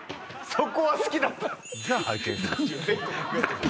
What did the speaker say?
そこは好きだったお前